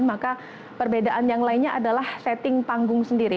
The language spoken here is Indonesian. maka perbedaan yang lainnya adalah setting panggung sendiri